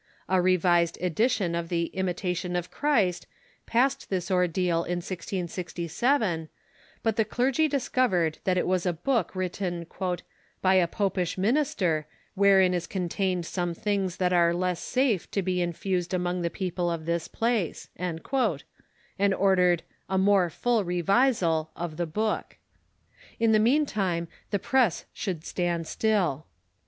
A revised edition of the "Imitation of Christ" passed this ordeal in 1667, but the clergy discovered that it was a book written " by a popish minister, wherein is contained some things that are less safe to be infused among the people of this place," and ordered " a more full revisal " of the book. In the meantime the press should stand still.